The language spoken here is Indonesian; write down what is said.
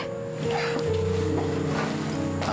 terima kasih ya mas ya